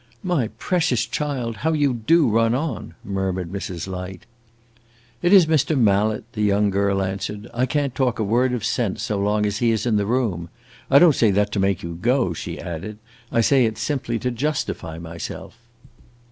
"My precious child, how you do run on!" murmured Mrs. Light. "It is Mr. Mallet," the young girl answered. "I can't talk a word of sense so long as he is in the room. I don't say that to make you go," she added, "I say it simply to justify myself."